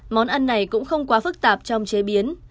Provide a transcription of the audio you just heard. món ăn này cũng không quá phức tạp trong chế biến